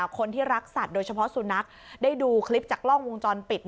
คนที่รักสัตว์โดยเฉพาะสุนัขได้ดูคลิปจากกล้องวงจรปิด